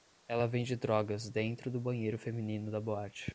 Ela vende drogas dentro do banheiro feminino da boate